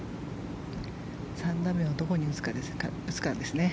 ３打目をどこに打つかですね。